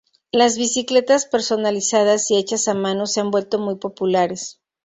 Las bicicletas personalizadas y hechas a mano se han vuelto muy populares.